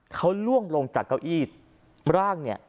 เขาล่วงลงจากเก้าอี้ร่างเนี่ย